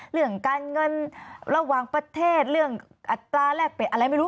เรื่องการเงินระหว่างประเทศเรื่องอัตราแลกเปลี่ยนอะไรไม่รู้